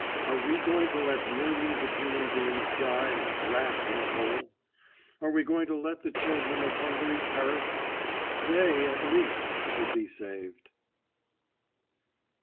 Are we going to let millions of human beings die like rats in a hole? Are we going to let the children of Hungary perish? They at least should be saved.